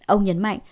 ông nhấn mạnh